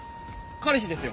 彼氏ですよ。